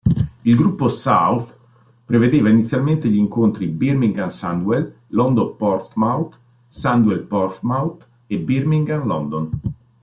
Il Gruppo South prevedeva inizialmente gli incontri Birmingham-Sandwell, London-Portsmouth, Sandwell-Portsmouth e Birmingham-London.